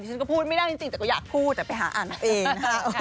ที่ก็พูดไม่ได้จริงเดี๋ยวก็อยากพูดแต่ไปอ่านขอเอง